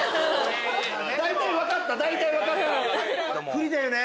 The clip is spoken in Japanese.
不利だよね。